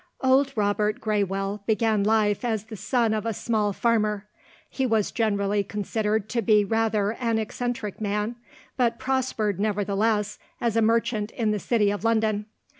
Old Robert Graywell began life as the son of a small farmer. He was generally considered to be rather an eccentric man; but prospered, nevertheless, as a merchant in the city of London.